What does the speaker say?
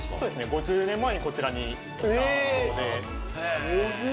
５０年前に、こちらに来たゾウで。